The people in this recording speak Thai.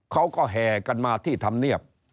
เขาก็แหกันมาที่ทำเนียบ